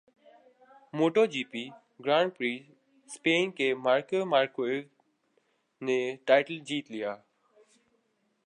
motto G P Grand Prix Spain کے Marquez مارکوئز نےٹائٹل جیت لیا